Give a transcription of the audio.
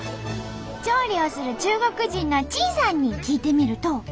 調理をする中国人のチンさんに聞いてみると。